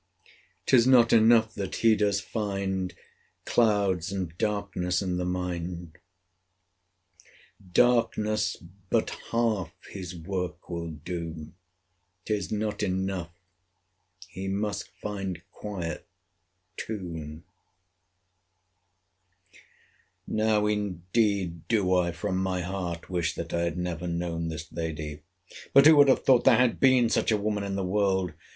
'Tis not enough that he does find Clouds and darkness in the mind: Darkness but half his work will do. 'Tis not enough: he must find quiet too. Now indeed do I from my heart wish that I had never known this lady. But who would have thought there had been such a woman in the world?